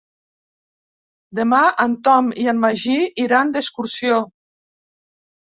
Demà en Tom i en Magí iran d'excursió.